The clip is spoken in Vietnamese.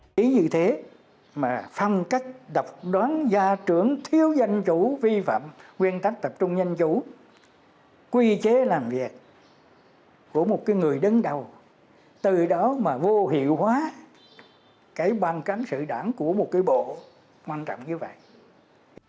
quy chế làm việc của một người đứng đầu từ đó mà vô hiệu hóa bàn cán sự đảng của một bộ quan trọng như vậy